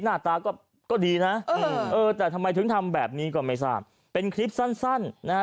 หน้าตาก็ดีนะเออแต่ทำไมถึงทำแบบนี้ก็ไม่ทราบเป็นคลิปสั้นสั้นนะฮะ